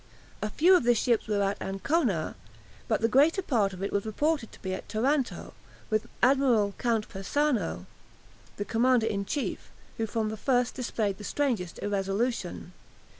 A few of the ships were at Ancona, but the greater part of it was reported to be at Taranto, with Admiral Count Persano, the commander in chief, who from the first displayed the strangest irresolution.